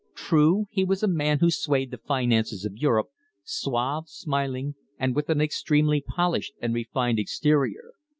True, he was a man who swayed the finances of Europe, suave, smiling, and with an extremely polished and refined exterior.